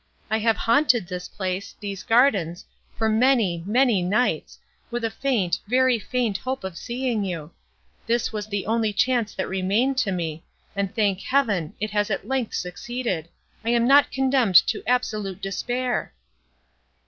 I have haunted this place—these gardens, for many—many nights, with a faint, very faint hope of seeing you. This was the only chance that remained to me, and thank Heaven! it has at length succeeded—I am not condemned to absolute despair!"